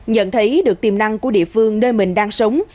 nhận thấy được tiềm năng của địa phương nơi mình đang sống